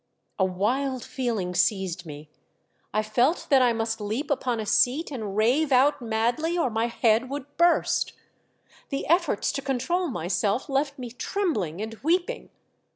A wild feeling seized me ; I felt that I must leap upon a seat and rave out madly or my head would burst. The efforts to control myself left me trembling and weeping.